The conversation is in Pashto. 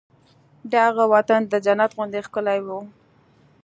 د هغه وطن د جنت غوندې ښکلی و